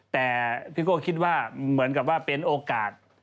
แต่พี่โก้คิดว่าเหมือนกับว่าเป็นโอกาส